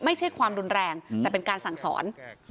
ไม่ใช่ความรุนแรงแต่เป็นการสั่งสอน